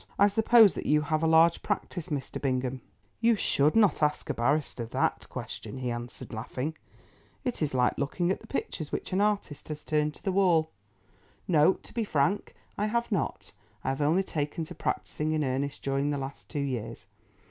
I suppose that you have a large practice, Mr. Bingham?" "You should not ask a barrister that question," he answered, laughing; "it is like looking at the pictures which an artist has turned to the wall. No, to be frank, I have not. I have only taken to practising in earnest during the last two years.